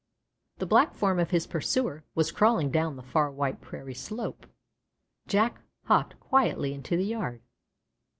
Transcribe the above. The black form of his pursuer was crawling down the far white prairie slope. Jack hopped quietly into the yard.